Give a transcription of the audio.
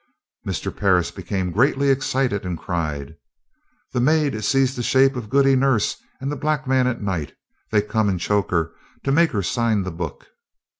Mr. Parris became greatly excited and cried: "The maid sees the shape of Goody Nurse and the black man at night. They come and choke her, to make her sign the book."